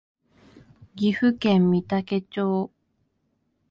岐阜県御嵩町